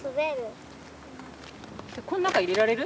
この中入れられる？